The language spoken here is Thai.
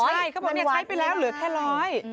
ใช่เขาบอกนี่ใช้ไปแล้วเหลือแค่๑๐๐มิลลิเมตร